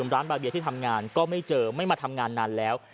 บาเบียที่ทำงานก็ไม่เจอไม่มาทำงานนานแล้ว